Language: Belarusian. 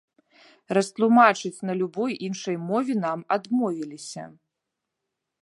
Растлумачыць на любой іншай мове нам адмовіліся.